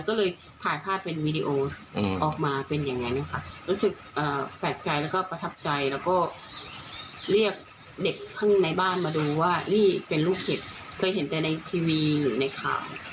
ก็เลยถ่ายภาพเป็นวีดีโอออกมาเป็นอย่างนั้นนะคะรู้สึกแปลกใจแล้วก็ประทับใจแล้วก็เรียกเด็กข้างในบ้านมาดูว่านี่เป็นลูกเห็บเคยเห็นแต่ในทีวีหรือในข่าว